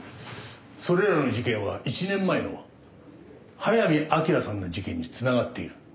それらの事件は１年前の早見明さんの事件に繋がっている。